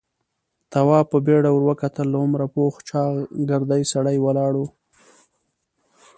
تواب په بيړه ور وکتل. له عمره پوخ چاغ، ګردی سړی ولاړ و.